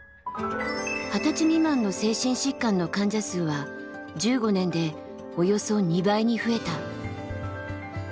２０歳未満の精神疾患の患者数は１５年でおよそ２倍に増えた。